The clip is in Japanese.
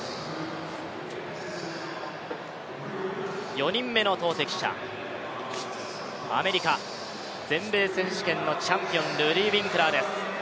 ４人目の投てき者、アメリカ、全米選手権のチャンピオン、ルディー・ウィンクラーです。